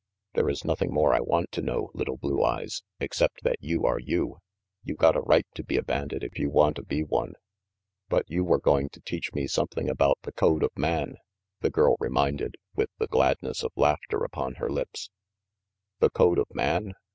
"There is nothing more I want to know, little Blue Eyes, except that you are you. You got a right to be a bandit if you wanta be one." "But you were going to teach me something about the code of man," the girl reminded, with the glad ness of laughter upon her lips. aint RANGY PETE 407 "The code of man?"